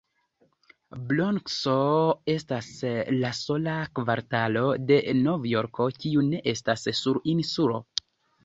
Bronkso estas la sola kvartalo de Novjorko, kiu ne estas sur insulo.